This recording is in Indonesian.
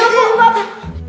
empat puluh juta